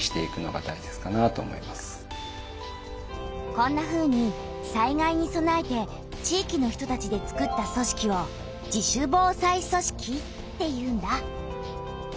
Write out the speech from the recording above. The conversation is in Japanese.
こんなふうに災害にそなえて地域の人たちで作った組織を「自主防災組織」っていうんだ。